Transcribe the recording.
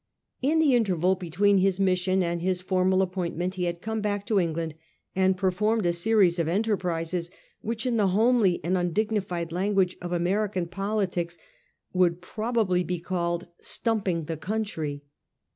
In the interval between his mis sion and his formal appointment he had come back to England and performed a series of enterprises which in the homely and undignified language of American politics would probably be called ' stumping the country.